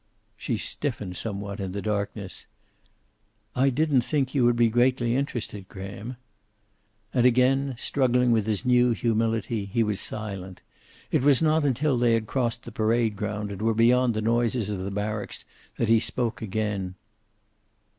She stiffened somewhat in the darkness. "I didn't think you would be greatly interested, Graham." And again, struggling with his new humility, he was silent. It was not until they had crossed the parade ground and were beyond the noises of the barracks that he spoke again.